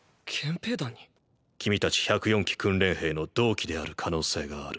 君たち１０４期訓練兵の同期である可能性がある。